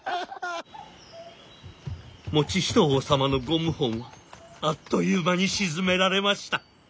「以仁王様のご謀反はあっという間に鎮められました。